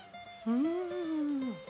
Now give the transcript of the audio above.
うん！